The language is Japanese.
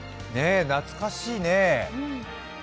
懐かしいね。